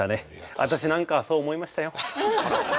私なんかはそう思いましたよ。